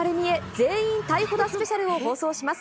全員逮捕だスペシャルを放送します。